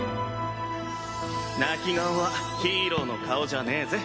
泣き顔はヒーローの顔じゃねぇぜ。